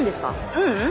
ううん。